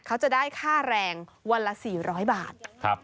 เขาจะได้ค่าแรงวันละ๔๐๐บาท